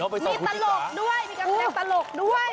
มีตลกด้วยมีกาแฟลตลกด้วย